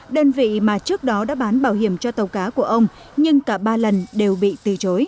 đơn vị mà trước đó đã bán bảo hiểm cho tàu cá của ông nhưng cả ba lần đều bị từ chối